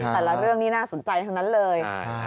แต่ละเรื่องนี้น่าสนใจทั้งนั้นเลย